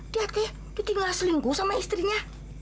lihat deh gitu gak selingkuh sama istrinya